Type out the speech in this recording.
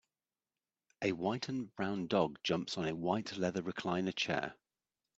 A white and brown dog jumps on a white leather recliner chair.